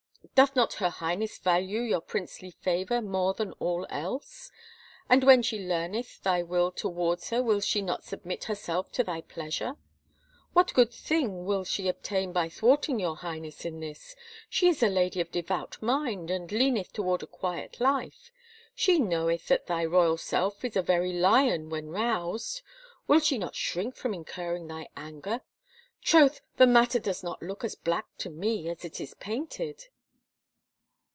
" Doth not her Highness value your princely favor more than all else? And when she leameth thy will towards her will she not submit herself to thy pleasure? What good thing will she obtain by thwarting your Highness in this? She is a lady of devout mind and leaileth* toward a quiet life. She knoweth that thy royal self is a very lion when roused. Will she not shrink from incurring thy anger? ... Troth, the matter does not look as black to me as it is painted